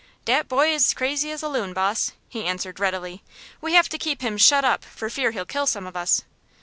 "Dat boy is crazy as a loon, boss!" he answered, readily. "We have to keep him shut up for fear he'll kill some of us."